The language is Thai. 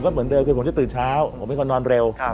ก็เหมือนเดิมผมจะตื่นชาวผมไม่ค่อนนอนเร็ว